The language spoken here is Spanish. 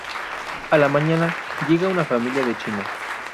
A la mañana, llega una familia de chinos.